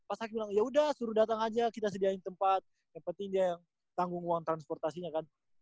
pas aku bilang yaudah suruh datang aja kita sediain tempat yang penting dia yang tanggung uang transportasinya kan